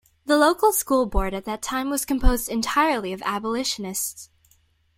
The local school board at that time was composed entirely of abolitionists.